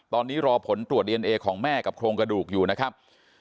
ตอนนี้รอผลตรวจดีเอนเอของแม่กับโครงกระดูกอยู่นะครับ